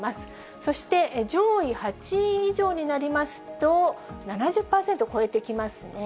そして上位８位以上になりますと、７０％を超えてきますね。